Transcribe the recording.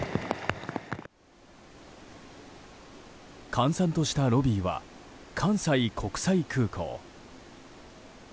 閑散としたロビーは関西国際空港。